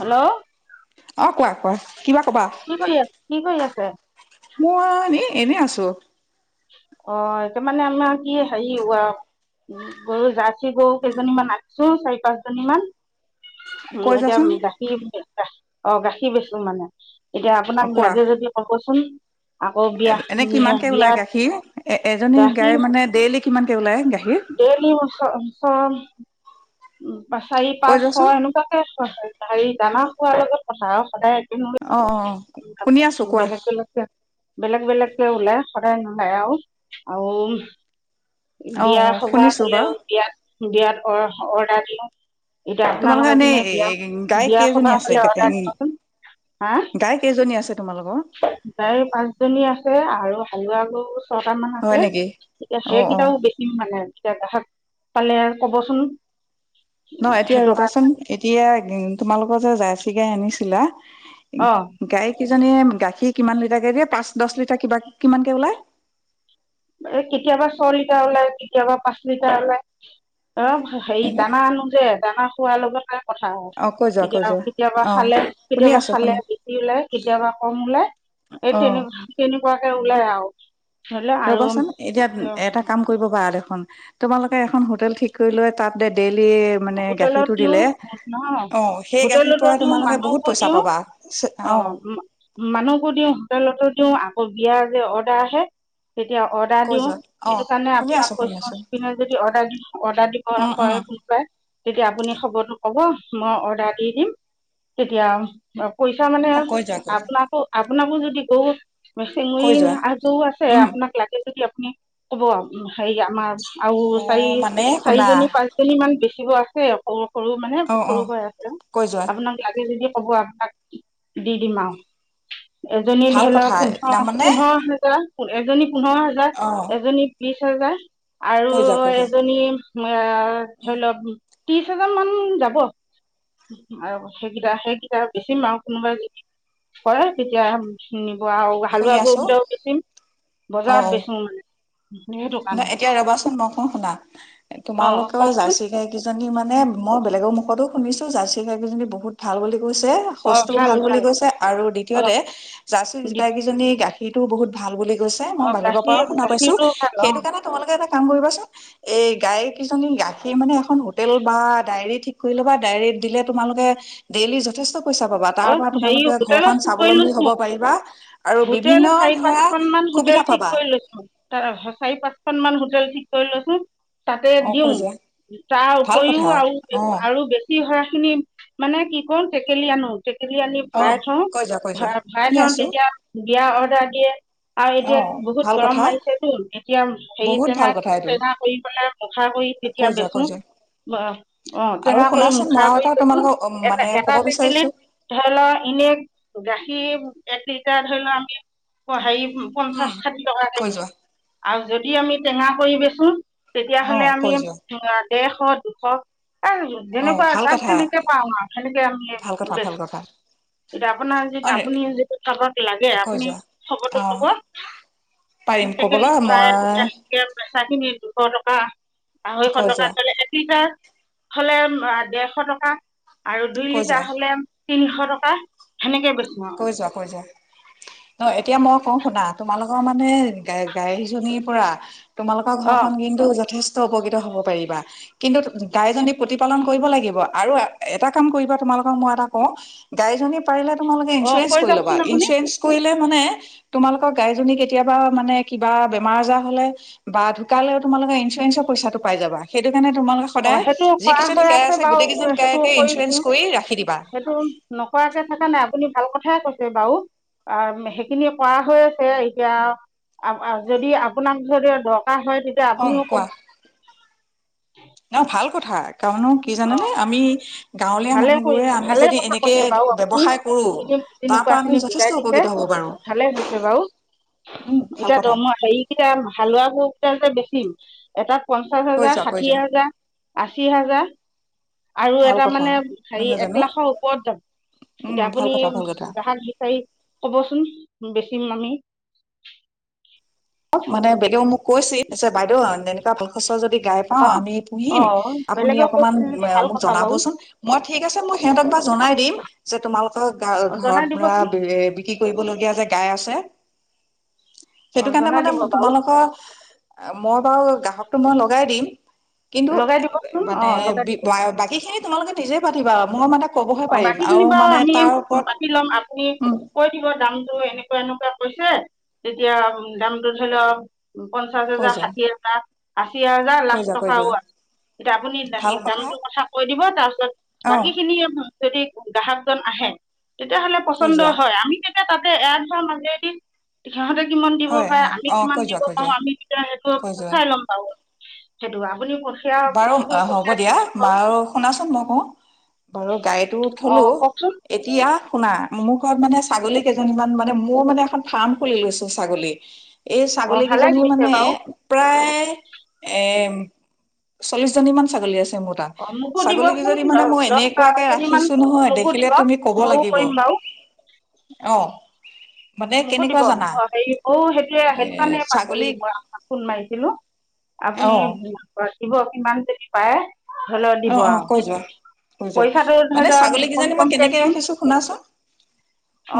Hello অঁ কোৱা কোৱা কিবা কবা অঁ মই এনে আছো অঁ তাৰ মানে আমাৰ কি হেৰি গৰু জাৰ্চি গৰু কেইজনীমান আকছো চাৰি পাঁচ জনী মান কৈ উ এতিয়া যাচোন বাকী অঁ গাখীৰ বেছো মানে এতিয়া অ আপোনাক কোৱা লাগে যদি কবচোন আকৌ বিয়া বিয়াত সি এ এজনী গাই গাখীৰ মানে ডেইলি কিমান ওলায় ডেইলি ছয় লিটাৰ উম বা চাৰি কৈ পাঁচ ছ যোৱাচোন এনেকুৱাকে আ হেৰি জানা কোৱাৰ লগত কথা সদায় অঁ অঁ শুনি আছো কোৱা বেলেগ বেলেগকে বেলেগ বেলেগকে ওলাই সদাই নলাই আৰু আৰু অ বিয়া অ সভা শুনিছো বাৰু হলেও বিয়াত বিয়াত অঁ অডাৰ দিলো তোমালোকে এনেই এ গাই কেইজনী সভা আছে হ'লে অৰ্ডাৰ দিবচোন গাই কেইজনী আছে তোমালোকৰ তাই পাঁচ জনী আছে আৰু আৰু হালোৱা ছটা মান হয় আছে নেকি এতিয়া অ অ সেইকেইটাও বেছিম মানে এতিয়া গাহক পালে ক'বচোন ন এতিয়া সেইটো কাৰণে ৰবাচোন এতিয়া তোমালোকৰ যে জাই চিগাই আনিছিলা অ গাই কেইজনীয়ে গাখীৰ কিমান লিটাৰ কেে দিয়ে পাঁচ দহ লিটাৰ কিবা কিমানকে ওলায় এ কেতিয়াবা ছয় লিটাৰ ওলাই কেতিয়াবা পাঁচ লিটাৰ ওলাই অ হেৰি দানা আনো যে দানা খোৱাৰ লগত কথা অ কৈ যোৱা কৈ কেতিয়াবা, যোৱা কেতিয়াবা অ খালে, শুনি কেতিয়াবা আছো শুনি খালে বেছি ওলাই, কেতিয়াবা কম ওলাই। এই অ তেনে-তেনেকুৱা ওলাই আৰু হ'লে আৰু ৰ'বাচোন এতিয়া অ, এটা কাম কৰিব পাৰা দেখোন তোমালোকে এখন হোটেল ঠিক কৰি লয়। তাতে দে হোটেলত দিও নহয়। অ সেই গাখীৰ হোটেলতো পৰা দিও, তোমালোকে বহুত মানুহকো পইচা দিও। পাবা অ', মানুহকো দিওঁ। হোটেলতো দিও। আক অ', বিয়াৰ যে অৰ্ডাৰ আহে তেতিয়া অৰ্ডাৰ কৈ দিওঁ। যোৱা অ সেইটো কাৰণে শুনি আছো আপোনাক শুনি কৈছোঁ। আছো [unintelligible] যদি অৰ্ডাৰ দিওঁ, অৰ্ডাৰ দিবলৈ উম উম কয় কোনোবাই তেতিয়া আপুনি খবৰটো ক'ব। মই অৰ্ডাৰ দি দিম তেতিয়া পইচা, মানে, অ কৈ যোৱা কৈ যোৱা আপোনাকো, আপ আপোনাকো যদি কওঁ কৈ মিচিঙুৰি যোৱা আদু আছে। উম আপোনাক লাগে যদি আপ মোক ক'ব। হেৰি, আমাৰ আৰু অ মানে শুনা চাৰি-চাৰিজনী, পাঁচজনীমান বেছ [inaudible] সৰু, মানে, অ অ সৰু হৈ আছে। কৈ যোৱা আপোনাক লাগে যদি হ'ব আপোনাক দি দিম আৰু। এজনী ভাল ধৰি কথা লওঁক পোন্ধৰ তাৰমানে পোন্ধৰ হাজাৰ এজনী পোন্ধৰ হাজাৰ অ এজনী বিশ যা আৰু কৈ যোৱা কৈ যোৱা এজনী অ', ধৰি লওঁক। ত্ৰিশ হাজাৰ মান যাব আৰু সেইকেইটা সেইকেইটা বেছিম আৰু কোনোবাই যদি কৰে তেতিয়া শুনি হালোৱা আছো ববিধাও বেচিম, অ বজাৰত অ বেচি মানে সেইটো ন কাৰণত এতিয়া ৰবাচোন মই কওঁ শুনা অ', কওঁকচোন। কেজনী মানে মই বেলেগৰ মুখতো শুনিছো জাৰ্চি গাইকেইজনী বহুত ভাল বুলি গৈছে সচটোও ভাল বুলি কৈছে আৰু অ দ্বিতীয়তে জাৰ্চি দি- গাই কেইজনী গাখ সেইটোও বহুত ভাল বুলি গৈছে মই অ বেলেগৰ গাখীৰ পৰাও শুনা পাইছো গাখীৰটো ভাল অ সেইটো কাৰণে তোমালোকে এটা কাম কৰিবাচোন এই গাইকেইজনী গাখীৰ মানে এখন হোটেল বা ডায়েৰী ঠিক কৰি ল'বা, ডায়েৰীত দিলে তোমালোকে ডেইলি যথেষ্ট পইচা পাবা তাৰ অ পৰা হেৰি তোমালোকে ঘৰ হোটেলত খন স্বাৱলম্বী হ'ব কৰিলো পাৰিবা। আৰু হোটেল বিভিন্ন চাৰি ধৰা পাঁচখন মান হোটেল সুবিধা ঠিক পাবা কৰি লৈছো চাৰি পাঁচখন মান হোটেল ঠিক কৰিলছোন তাতে অ কৈ যোৱা দিওঁ তাৰ ভাল উপৰিও কথা আৰু অ আৰু বেছি হয় খিনি মানে কি কওঁ টেকেলি আনো আমি অ ভাই থওঁ কৈ যোৱা কৈ যোৱা ভাই শুনি থাওঁ আছো তেতিয়া বিয়া অৰ্ডাৰ দিয়ে আৰু অ এতিয়া ভাল বহুত গৰম কথা মাৰিছেতো এতিয়া হেৰি বহুত টেঙা ভাল কথা এইটো টেঙা কৰি পেলাই মুখাৰ কৰি এতিয়া কৈ যোৱা কৈ বেচো যোৱা অ আৰু টেঙা কৰি শুনাচোন মই মুখাৰ আৰু এটা কৰি বেচো তোমালোকক এটা মানে ক'ব এটা বিচাৰিছো টেকেলিত ধৰি লও এনে গাখীৰ এক লিটাৰ ধৰি লও আমি হেৰি উম পঞ্চাশ ষাঠি টকাকে কৈ বেছো যোৱা আৰু যদি য আমি টেঙা কৰি বেচোন তেতিয়া অ হলে আমি কৈ উ যোৱা ডেৰশ দুশ অ যেনেকুৱা ভাল তাক কথা তেনেকে পাওঁ ন আৰু সনেকে ভাল কথা আমি এতিয়া ভাল কথা আপোনাৰ যি অ আপুনি যিটো থাকত লাগে কৈ আপুনি যোৱা খবো অ পাৰিম কবটেকেলি কবলৈ ভৰাই মই তেতিয়া পেচা খিনি দুশ টকা আঢ়ৈশ কৈ টকা যোৱা ট হলে ডেৰশ টকা আৰু দুই কৈ যোৱা লিটাৰ তিনিশ টকা সেনেকে বেছো কৈ যোৱা কৈ যোৱা নহ এতিয়া মই কওঁ শুনা তোমালোকৰ মানে গ গাই জনীৰ পৰা তোমালোকৰ অঁ ঘৰখন কিন্তু যথেষ্ট উপকৃত হব পাৰিবা কিন্তু গাইজনী প্ৰতিপালন কৰিব লাগিব আৰু এটা কাম কৰিবা তোমালোকৰ মই এটা কওঁ গাইজনী পাৰিলে তোমালোক অঁ ইঞ্চুৰেঞ্চ কৈ কৰি ল'বা যাওকচোন আপুনি ইঞ্চুৰেঞ্চ কৰি ল মানে তোমালোকৰ গাইজনী কেতিয়াবা মানে কিবা বেমাৰ আজাৰ হলে বা ঢুকালেও তোমালোকৰ ইঞ্চুৰেঞ্চৰ পইচাটো পাই যাবা সেইটো কাৰণে তোমালোকে সদায় সেইটো কৰা যিকেইজনী হৈ গাই আছে বাৰু গোটেই কেইজনী সেইটো গায়কে ইঞ্চুৰেঞ্চ কৰিছো কৰি ৰাখি দিবা সেইটো নকৰাকে থকা নাই আপুনি ভাল কথাই কৈছে বাৰু সেইখিনি কৰা হৈ আছে এতিয়া যদি আপোনাক যদি দ হয় তেতিয়া অ আপুনিও কব কোৱা ন ভাল কথা কাৰণো কি অ জানেনে আমি গাঁৱলীয়া ভালে কৰি মানুহবোৰে আমি ভালে যদি কথা এনেকে কৈছে বাৰু আপুনি ব্যৱসায় কৰো সখিদম তাৰ তেনেকুৱ পৰা আমি খিনি যথেষ্ট বুজাই দিছে উপকৃত হব পাৰো ভালে হৈছে বাৰু উম ভাল এতিয়া কথা দম হেৰিকেইটা হালোৱাবোৰ কেইটা এ বে থম এটা পঞ্চাশ কৈ হাজাৰ যোৱা কৈ ষাঠি যোৱা হাজাৰ আশী হাজাৰ আৰু ভাল এটা কথা মানে হেৰি নহয় এক জানো লাখৰ ওপৰত যাম উম এতিয়া ভাল আপুনি কথা ভাল কথা গ্ৰাহাক বিচাৰি কবচোন বেচিম আমি অ মানে বেলেগও মোক কৈছিলছে বাইদেউ এনেকুৱা ভাল খচ যদি এই গাই অ আমি পুহিম অ আপুনি বেলেগেও অকনমান কৈছিল যদি ভাল মোক কথা বাৰু জনাবচোন মই থিক আছে সিহঁতক জনায় দিম তোমালক অ জনাই ঘৰত দিবচোন বিক্ৰী কৰিবলগীয়া গাই আছে বে সেইটো অ কাৰণে জনাই মানে দিব বাৰু তোমালোকৰ মই বাৰু গ্ৰাহকটো মই লগাই দিম কিন্তু লগাই এ দিবচোন অ মানে লগাই দিব বাকী খিনি তোমালোকে নিজে পাতিবা মোৰ মানে কবহে অ' পাৰিম আৰু বাকীখিনি বা মানে আমি তাৰ ওপৰত পাতি ল'ম আপুনি উম কৈ দিব দাম। তোৰ এনেকুৱা এনেকুৱা কৈছে, তেতিয়া দামটো ধৰি লওঁ। উম, পঞ্চাশ কৈ হাজাৰ, যোৱা ষাঠি হেজাৰ আশী হাজাৰ কৈ লাখ যোৱা কৈ টকাও যোৱা আছে, এতিয়া আপুনি দামটোৰ কথা কৈ দিব তাৰপিছত অ বাকী খিনি সেই গ্ৰাহকজন আহে। তেতিয়াহ'লে কৈ পচন্দ যোৱা হয়, আমি কেতিয়া তাত এ এয়েৰ ধৰা মাজেদি সিহঁতে কিমান দিব হয় পাৰে, হয় আমি অ কিমান কৈ যোৱা দিব কৈ পাৰোঁ, যোৱা আমি তেতিয়াহে অ' কৈ যোৱা সচাই গ'ম পাওঁ। হেই দোৱা বাৰু অ' হ'ব দিয়া বাৰু শুনাচোন মই কওঁ বাৰু গাই সেইটো অ থলোঁ, কওকচোন এতিয়া শুনা মোৰ ঘৰত মানে ছাগলী কেইজনীমান মানে মোৰ মানে এখন ফাৰ্ম খুলি লৈছোঁ ছাগলী। এই অ ছাগলী ভালে কেইজনী কৰিছে মানে বাৰু প্ৰায় এ চল্লিশজনী মান ছাগলী আছে ত অ মোকো দিবচোন ছাগলীকেইজনী মানে মই দহ এনেকুৱাকে পাঁচজনীমান ৰাখিছো নহয় মোকো দেখিলে দিব তুমি কব ময়ো লাগিব কৰিম বাৰু অ মানে মোকো দিব কেনেকুৱা অ জানা হেৰি অ সেইটোৱে এ সেইটো কাৰণে ছাগলী মই আপাক ফোন মাৰিছিলো অ আপুনি দিব কিমান দেৰি পায় অ অ কৈ যোৱা কৈ যোৱা পইচাটো ধৰি মানে লওক ছাগলী কম কিজানী মই কমকে কেনেকে দিম ৰাখিছো শুনাচোন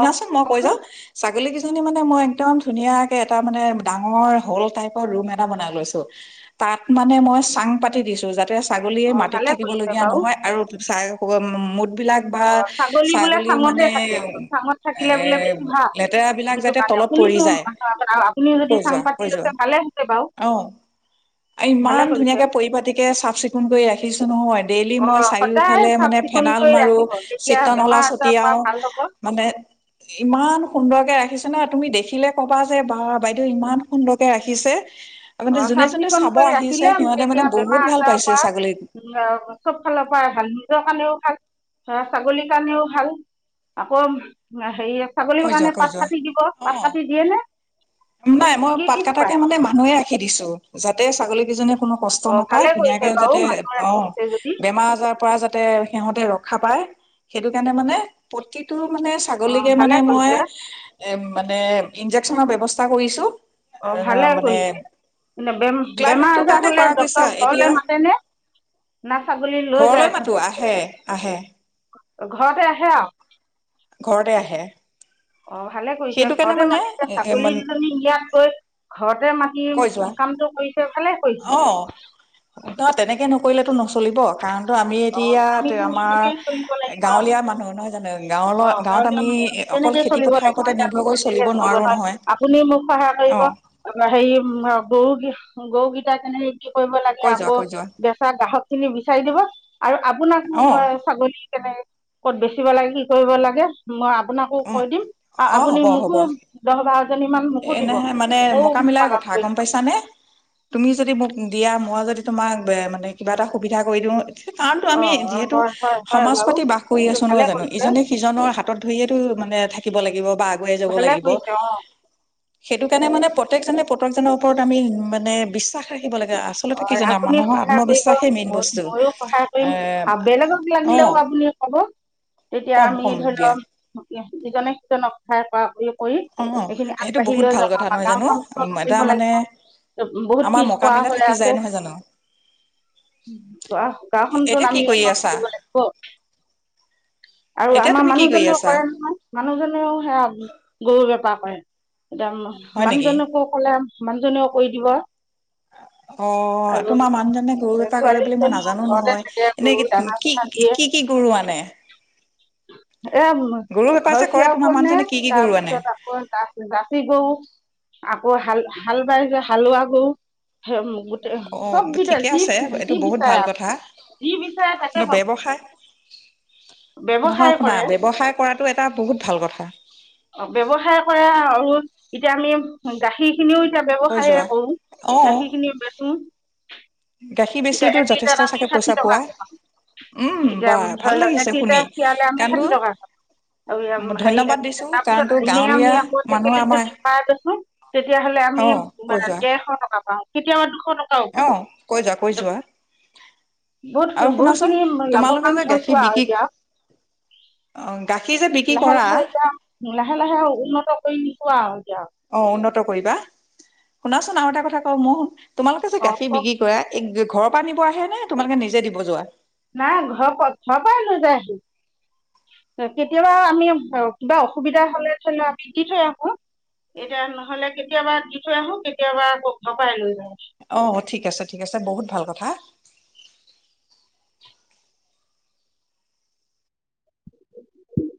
অ মই কৈ যাও কিজানি মানে একদম ধুনীয়াকে এটা মানে ডাঙৰ হল টাইপৰ ৰুম এটা বনাই লৈছো তাত মানে মই চাং পাতি দিছো যাতে ছাগলীয়ে অ মা ত ভালে কৰিছে থাকিবলগীয়া বাৰু নহয় আৰু চ [unintelligible] ছাগলী বিলাক বা অ বোলে ছাগলী চাঙতে মানে থাকে চাঙত থাকিলে বোলে বেছি ভাল লেতেৰা বিলাক সেইটো যাতে কাৰণে তলত পৰি শুনিছোঁ যাই মানুহ আপুনি যদি কই চাং যোৱা পাতি কই যোৱা লৈছে ভালে হৈছে বাৰু অ ভালে ইমান কৰিছে ধুনীয়াকে পৰি পাতিকে চাফ চিকুণকে ৰা নহয় নাই ডেইলি মই অ' সদায় চাৰিওফালে চাফ মানে ফেনাল চিকুণকৈ মাৰো ৰাখিব তেতিয়া চিতনলা বেমাৰ আজাৰৰ পৰা ছটিয়াও ভাল হ'ব মানে ইমান সুন্দৰকে ৰাখিছো নহয় তুমি দেখিলে ক'বা যে বা বাইদেউ ইমান সুন্দৰকৈ ৰাখিছে। তপে অ' যোনে চাফ যোনে চাব চিকুণকৈ আহিছে ৰাখিলে সিহঁতে মানে তেতিয়া বেমাৰ বহুত ভাল আজাৰৰ পাইছে পৰা ছাগলী। উম চব ফালৰ পৰা ভাল নিজৰ কাৰণেও ভাল ধৰা ছাগলীৰ কাৰণেও ভাল আকৌ হেৰি। ছাগলীৰ কৈ যোৱা কাৰণে কৈ পাত যোৱা কাটি দিব অ পাত কাটি দিয়ে নে নাই মই কি পাত কি খুৱাই কটাকে মানে মানুহে। সি দিছো যাতে ছাগলীকেইজনীয। কোনো কষ্ট অ' নাপায় ভালে কৰিছে ধুনীয়াকে বাৰু যাতে মানুহ অহ ৰাখিছে যদি ', বেমাৰ আজাৰৰ পৰা যাতে সিহতে ৰ ৰখা পায় সেইটো কাৰণে মানে প্ৰতি টো মানে অ' ছাগলীকে ভালে মানে মই কৰিছে এ মানে ইঞ্জেকচনৰ ব্যৱস্থা কৰিছো। অ' ভালে মানে কৰিছে নে বেম - বেমাৰ ক্লাইমেটটোৰ আজাৰ কাৰণে হলে কৰা গৈছে ডক্তৰক ঘৰলে এতিয়া মাতেনে না ছাগলী লৈ ঘৰলৈ মাতো যায়? আহে আহে ঘৰতে আহে আৰু ঘৰতে আহে। অহ ', ভালে কৰিছে সেইটো কাৰণে ঘৰতে মানে মাতিছে এ ছাগলী মান দুজনী ইয়াত গৈ ঘৰতে মাতি কৈ যোৱা কামটো কৰিছে ভালে কৰিছে। কৰিলেতো নচলিব। কাৰণতো আমি অ এতিয়াত আমিতো আমাৰ এনেকেই গাঁৱলীয়া মানুহ নহয় জানো। গাঁৱৰ অহ ', গাঁৱত গাৱলীয়া আমি অঞ্চল অকল তেনেকে খেতি চলিব পথাৰৰ লাগিব ওপৰতে এতিয়া নিৰ্ভৰ কৰি অঞ্চল চলিব শেষ হ গৈ নোৱাৰো নহয় আপুনি মোক সহায় অ কৰিব। হেৰি গৰু [unintelligible] কি কৰিব লাগে কৈ যোৱা আকৌ কৈ যোৱা বেচা গ্ৰাহক খিনি বিচাৰি দিব। আৰু আপোনাকো অ মই ছাগলী। কেনে ক'ত বেচিব লাগে কি কৰিব লাগে মই আপোনাকো উম কৈ দিম আৰু অ আপুনি হ'ব মোকো হ'ব দহবাৰ। এনেহে মানে মোক মিলাৰ পালন কথা কৰিম গম পাইছা নে? তুমি যদি মোক দিয়া। মই যদি তোমাক মানে কিবা এটা সুবিধা কৰি দিওঁ। কাৰণতো অ আমি যিহেতু হয় হয় হয় সমাজ বাৰু পাতি বাস কৰি সেইটো আছো ভালে নহয় জানো কৰিছে ইজনে সিজনৰ হাত হাতত ধৰিয়েতো মানে থাকিব লাগিব। বা আগুৱাই যাব ভালে লাগিব। কৰিছে অ সেইটো কাৰণে মানে প্ৰত্যেকজনে প্ৰত্যেকজনৰ ওপৰত আমি মানে বিশ্বাস ৰাখি অহ ', আপুনি সহায় কৰিব মেইন মই বস্তু ময়ো সহায় কৰিম এ আৰু বেলেগক অ লাগিলেও আপুনি কব। তেতিয়া কম আমি কম ধৰি দিয়া লও। ইজনে সিজনক খাই প কৰি অ এইখিনি সেইটো আগবাঢ়ি বহুত লৈ ভাল যাম কথা আৰু নহয় জানো এটা গাওখনত মানে লাগিব বহুত আমাৰ পিছ কৰা মকামিলা হৈ থাকি আছে। যায় [unintelligible] নহয় জানো গাওখন এতিয়া কি আমি কৰি উন্নত আছা কৰিব লাগিব আৰু এতিয়া আমাৰ তুমি কি কৰি মানুহজনেও আছা কৰে নহয়, মানুহজনেও সেয়া গৰু বেপাৰ হয়। এতিয়া হয় নেকি মানুহজনকো কলে মানুহজনেও কৰি দিব। অ আৰু তোমাৰ মানুহজনে গৰু বেপাৰ কৰে বুলি মই ছোৱালীজনীও নাজানো ঘৰতে নহয় থাকে এনে গৰু দানা কি চানা দিয়ে, কি কি গৰু আনে এ গৰু বেপাৰ ঘৰ যে কৰে তোমাৰ [unintelligible] নে, মানুহজনে কি কি গৰু আনে তাৰপিছত আকৌ [unintelligible] গৰু। আহ অ হাল হাল বাইছে হালোৱা গৰু। গোটেই অ চব বিধ ঠিকে যি আছে এইটো যি বহুত ভাল বিচাৰে কথা যি বিচাৰে তাকে কিন্তু পাব ব্যৱসায় ব্যৱসায় কৰে। তাৰ বহুত ভাল কথা। অ ব্যবসায় কৰা আৰু এতিয়া আমি গাখীৰ। সেই খিনিও এতিয়া কৈ যোৱা ব্যৱসায়ে অ কৰো সেইখিনিে বেচো। গাখীৰ এতিয়া বেচিওতো এক লিটাৰ যথেষ্ট দাম চাগে হাঠি পইচা টকা পোৱা পাও উম এতিয়া বা ধৰি ভাল লোৱা লাগিছে হাঠি শুনি টকা কাৰণ তো পাও ধন্যবাদ এক লিটাৰ দিছো তাৰ কাৰণ পাছত তো গাঁৱলীয়া মানুহ আমাৰ তুমি আমি অ কৈ যোৱা কেশ টকা পাও? কেতিয়া। অ কৈ যোৱা। যোৱা আৰু বহুত শুনাচোন বহুতখিনি তোমালোকে লাভৱান যে হৈছোঁ গাখীৰ আৰু বিক্ৰী এতিয়া গাখীৰ। যে বিক্ৰী লাহে কৰা লাহে এতিয়া লাহে লাহে উন্নত কৰি। কোৱা। অ উন্নত কৰিবা। শুনাচোন আৰু এটা কথা কওঁ মই শুন। তোমালোকে যে অ কোফি অ বিক্ৰী কৰা এক। ঘৰৰ পৰা নিব আহে নে তোমালোকে নিজে দিব যোৱা। নাই ঘৰ ঘৰৰ পৰাই লৈ যায় কেতিয়াবা আমি কিবা অসুবিধা হলে ধৰি লও আমি দি থৈ আহো এতিয়া নহলে কেতিয়াবা দি থৈ আহো কেতিয়াবা আকৌ ঘৰ পৰাই লৈ যাওঁ। অ ঠিক আছে ঠিক আছে বহুত ভাল কথা। উম [unintelligible]